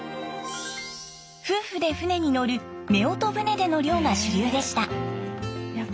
夫婦で船に乗る夫婦船での漁が主流でした。